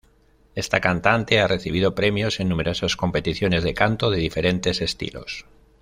Esta cantante ha recibido premios en numerosas competiciones de canto de diferentes estilos.